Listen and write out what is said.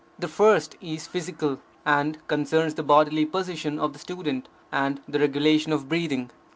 The first is physical, and concerns the bodily position of the student, and the regulation of breathing.